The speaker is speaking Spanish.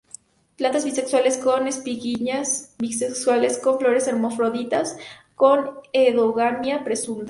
Plantas bisexuales, con espiguillas bisexuales; con flores hermafroditas; con endogamia presunta.